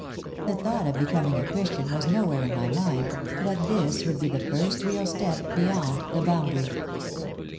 The thought of becoming a Christian was nowhere in my mind, but this would be the first real step beyond the boundary.